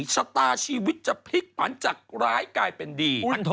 ชะตาชีวิตจะพลิกผันจากร้ายกลายเป็นดี